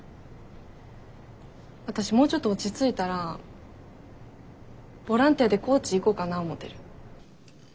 私もうちょっと落ち着いたらボランティアで高知行こかな思てる。